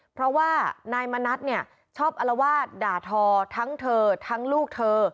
เพราะว่านายมณัฐเนี่ยชอบอลวาดด่าทอทั้งเธอทั้งลูกเธอ